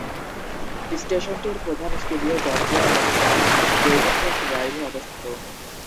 স্টেশনটির প্রধান স্টুডিও জর্জিয়ার রোমে জন ডেভেনপোর্ট ড্রাইভে অবস্থিত।